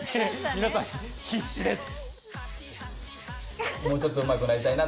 皆さん、必死です。